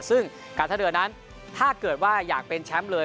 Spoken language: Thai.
ซึ่งการท่าเรือนั้นถ้าเกิดว่าอยากเป็นแชมป์เลย